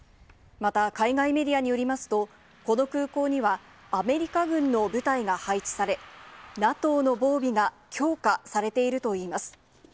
また海外メディアによりますと、この空港には、アメリカ軍の部隊が配置され、ＮＡＴＯの防備が強化されているといいます。